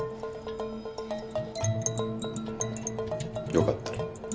よかったら。